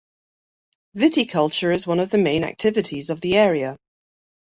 Viticulture is one of the main activities of the area.